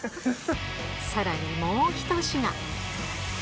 さらにもう１品。